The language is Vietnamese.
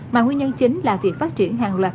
mà nguyên nhân chính là việc phát triển hàng loạt